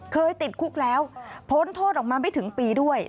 เคยติดคุกแล้วพ้นโทษออกมาไม่ถึงปีด้วย